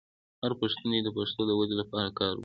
هر پښتون دې د پښتو د ودې لپاره کار وکړي.